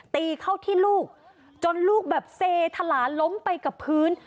ตีเข้าที่ลูกจนลูกแบบเซถลาล้มไปกับพื้น